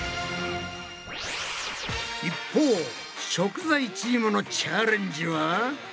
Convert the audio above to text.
一方食材チームのチャレンジは？